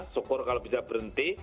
syukur kalau bisa berhenti